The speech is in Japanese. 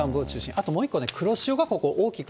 あともう一個、黒潮が大きく